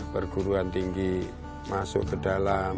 perguruan tinggi masuk ke dalam